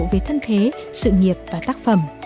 về thân thế sự nghiệp và tác phẩm